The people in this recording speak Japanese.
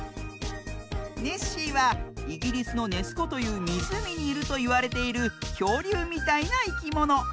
ネッシーはイギリスの「ネスこ」というみずうみにいるといわれているきょうりゅうみたいないきもの。